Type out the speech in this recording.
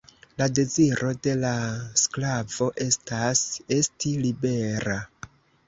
La deziro de la sklavo estas esti libera.